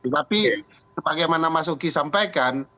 tapi sebagaimana mas uki sampaikan